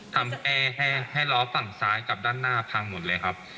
ทำให้แห้งให้ล้อฝั่งซ้ายกับด้านหน้าพังหมดเลยครับ